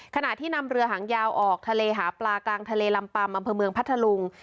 ขณะที่นำเรือหางยาวออกทะเลหาปลากลางทะเลลำปัมอำเภอเมืองพัทธลุง